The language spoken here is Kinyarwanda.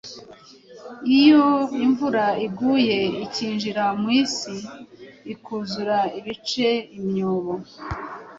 Iyo imvura iguye ikinjira mu isi, ikuzura ibice, imyobo,